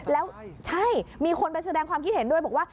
แล้วใช่มีคนไปแสดงความคิดเห็นด้วยบอกว่า